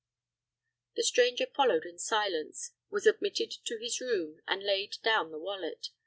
The stranger followed in silence, was admitted to his room, and laid down the wallet.